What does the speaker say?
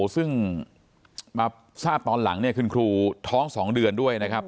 ซึ่งมาทราบตอนหลังเนี่ยคุณครูท้อง๒เดือนด้วยนะครับ